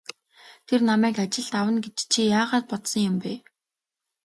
Тэр намайг ажилд авна гэж чи яагаад бодсон юм бэ?